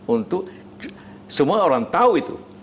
untuk semua orang tahu itu